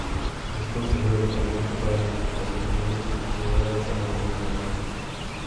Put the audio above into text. Es consumido localmente para la alimentación humana y se considera de sabor muy agradable.